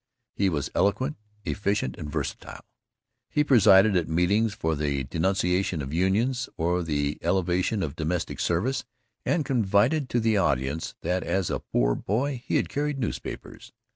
He was eloquent, efficient, and versatile. He presided at meetings for the denunciation of unions or the elevation of domestic service, and confided to the audiences that as a poor boy he had carried newspapers.